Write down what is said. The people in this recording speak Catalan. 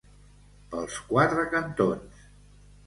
Pels quatre cantons.